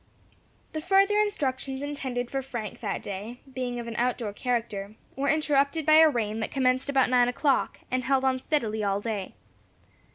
The further instructions intended for Frank that day, being of an out door character, were interrupted by a rain that commenced about nine o'clock, and held on steadily all day.